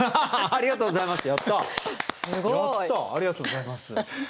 ありがとうございます。